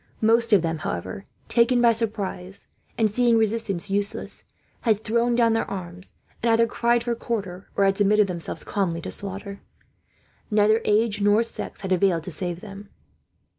Most of them, however, taken by surprise, and seeing resistance useless, had thrown down their arms; and either cried for quarter, or had submitted themselves calmly to slaughter. Neither age nor sex had availed to save them.